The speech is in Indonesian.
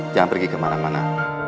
jangan pergi kemana mana